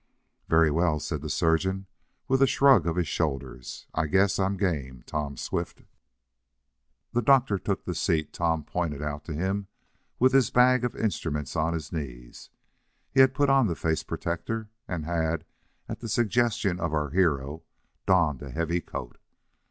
"Very well," said the surgeon with a shrug of his shoulders, "I guess I'm game, Tom Swift." The doctor took the seat Tom pointed out to him, with his bag of instruments on his knees. He put on the face protector, and had, at the suggestion of our hero, donned a heavy coat.